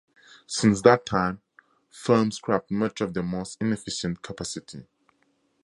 Since that time, firms scrapped much of their most inefficient capacity.